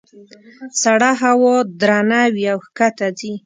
سړه هوا درنه وي او ښکته ځي.